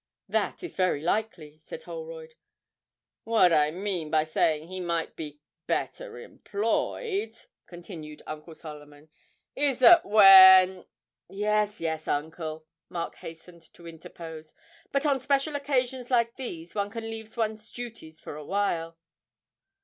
'That is very likely,' said Holroyd. 'What I mean by saying he might be "better employed,"' continued Uncle Solomon, 'is that when ' 'Yes, yes, uncle,' Mark hastened to interpose, 'but on special occasions like these one can leave one's duties for a while.'